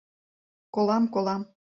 Колам, колам.